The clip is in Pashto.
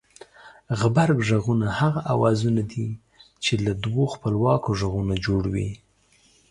غبرگ غږونه هغه اوازونه دي چې له دوو خپلواکو غږونو جوړ وي